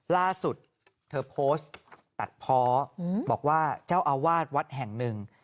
ล่าสุดเธอโพสต์ตัดเพาะบอกว่าเจ้าอาวาสวัดแห่งหนึ่ง